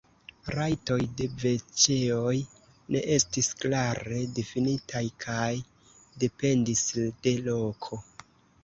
Rajtoj de veĉeoj ne estis klare difinitaj kaj dependis de loko.